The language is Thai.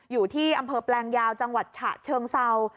อยู่ที่อำเภอแปลงยาวจังหวัดฉะเชิงเศร้า